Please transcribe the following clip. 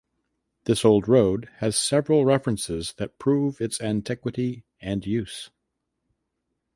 This old road has several references that prove its antiquity and use.